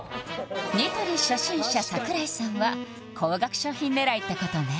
ニトリ初心者櫻井さんは高額商品狙いってことね